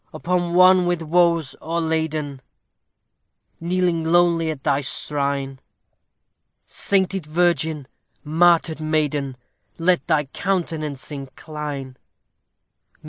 Upon one with woes o'erladen, Kneeling lowly at thy shrine; Sainted virgin! martyr'd maiden! Let thy countenance incline!